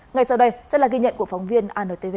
ngay sau đây sẽ là ghi nhận của phóng viên antv